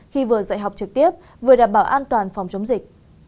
khi vừa dạy học trực tiếp vừa đảm bảo an toàn phòng chống dịch